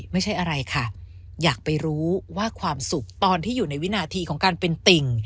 ไม่ใช่อะไรค่ะอยากไปรู้ว่าความสุขตอนที่อยู่ในวินาทีของการเป็นติ่ง